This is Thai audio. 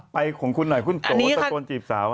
ของคุณหน่อยคุณโกตะโกนจีบสาว